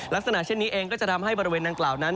ลักษณะเช่นนี้เองก็จะทำให้บริเวณดังกล่าวนั้น